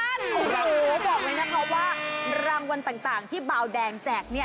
โอ้โหบอกเลยนะคะว่ารางวัลต่างที่เบาแดงแจก